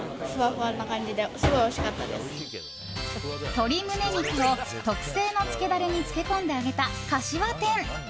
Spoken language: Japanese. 鶏胸肉を特製の漬けダレに漬け込んで揚げた、かしわ天。